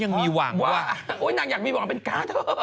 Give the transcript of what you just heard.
๖๖ยังมีอีกหรอนางอยากมีหวังเป็นกาเถอะ